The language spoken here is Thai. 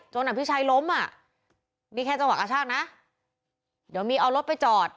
อภิชัยล้มอ่ะนี่แค่จังหวะกระชากนะเดี๋ยวมีเอารถไปจอด